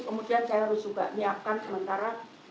kemudian saya harus juga menyiapkan sementara